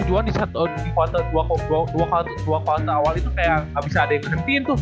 cuma di kuartal dua kuartal awal itu kayak gak bisa ada yang berhentiin tuh